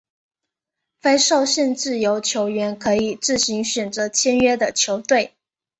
非受限自由球员可以自行选择签约的球队。